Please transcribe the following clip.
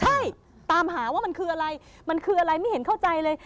ใช่ตามหาว่ามันคืออะไรมันคืออะไรไม่เห็นเข้าใจเลย